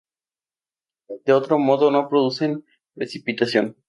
De otro modo no producen precipitación.